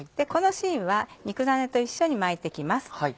この芯は肉ダネと一緒に巻いてきます。